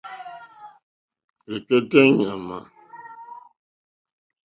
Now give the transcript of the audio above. Rzɛ̀kɛ́tɛ́ ɲàmà.